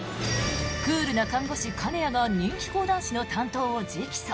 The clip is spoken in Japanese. クールな看護師、金谷が人気講談師の担当を直訴。